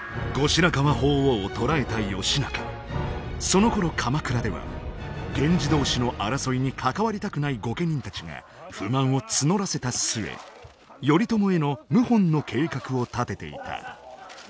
そのころ鎌倉では源氏同士の争いに関わりたくない御家人たちが不満を募らせた末頼朝への謀反の計画を立てていた。